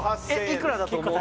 いくらだと思う？